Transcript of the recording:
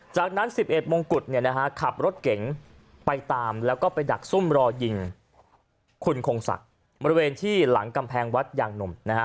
จากนั้น๑๑มงกุฎขับรถเก๋งไปตามแล้วก็ไปดักซุ่มรอยิงคุณคงศักดิ์บริเวณที่หลังกำแพงวัดยางหนุ่มนะฮะ